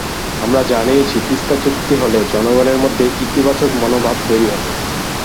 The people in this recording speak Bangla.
আমরা জানিয়েছি, তিস্তা চুক্তি হলে জনগণের মধ্যে ইতিবাচক মনোভাব তৈরি হবে।